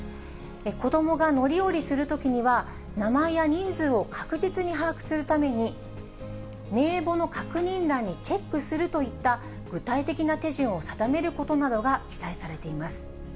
子どもが乗り降りするときには、名前や人数を確実に把握するために、名簿の確認欄にチェックするといった、具体的な手順を定めることなどが記載されています。